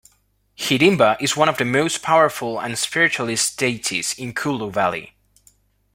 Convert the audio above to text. Hidimba is one of the most powerful and spiritualist deities in Kullu valley.